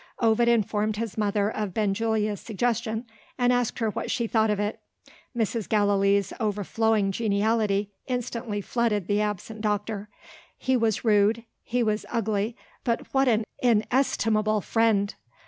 Ovid informed his mother of Benjulia's suggestion, and asked her what she thought of it. Mrs. Gallilee's overflowing geniality instantly flooded the absent doctor. He was rude, he was ugly; but what an inestimable friend!